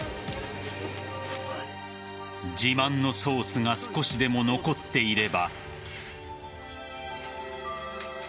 自慢のソースが少しでも残っていれば。